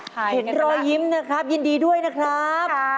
เห็นรอยยิ้มนะครับยินดีด้วยนะครับ